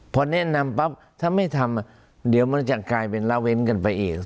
พอแนะนำปั๊บถ้าไม่ทำเดี๋ยวมันจะกลายเป็นละเว้นกันไปอีก